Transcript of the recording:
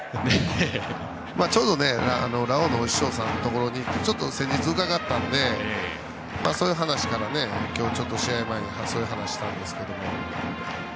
ちょうどラオウのお師匠さんのところにちょっと先日、伺ったのでそういう話から今日、試合前に話をしたんですけど。